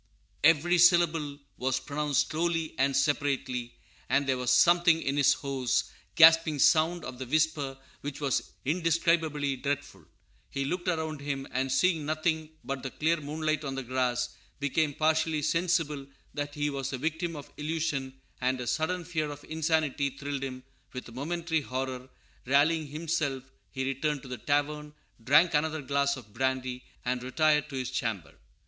"_ Every syllable was pronounced slowly and separately; and there was something in the hoarse, gasping sound of the whisper which was indescribably dreadful. He looked around him, and seeing nothing but the clear moonlight on the grass, became partially sensible that he was the victim of illusion, and a sudden fear of insanity thrilled him with a momentary horror. Rallying himself, he returned to the tavern, drank another glass of brandy, and retired to his chamber.